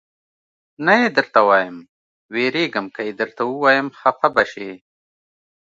نه یې درته وایم، وېرېږم که یې درته ووایم خفه به شې.